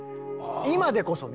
今でこそね